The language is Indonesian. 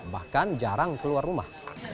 bahkan jarang keluar rumah